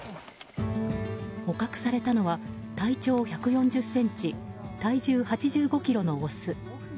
捕獲されたのは体長１４０ｃｍ体重８５ｋｇのオス。